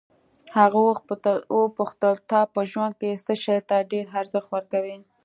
هغه وپوښتل ته په ژوند کې څه شي ته ډېر ارزښت ورکوې.